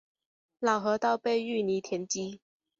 老河道被淤沙填积。